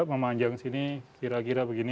memanjang sini kira kira seperti ini